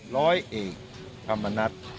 ร้อยเอกธรรมนัฐ